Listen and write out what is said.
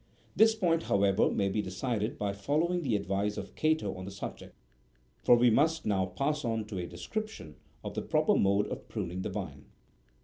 This point, however, may be decided by following the advice of Cato on the subject; for we must now pass on to a description of the proper mode of pruning the vine.